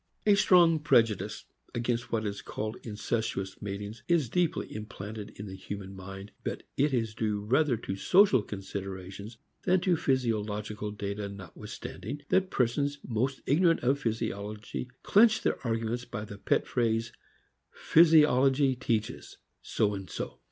A strong prejudice against what is called incestuous matings is deeply implanted in the human mind, but it is due rather to social considerations than to physiological data — notwithstanding that persons most ignorant of physiology clinch their arguments by the pet phrase ''physiology teaches" so and so.